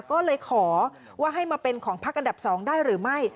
ก็เลยขอว่าให้มาเป็นของพักอันดับ๒ได้หรือไม่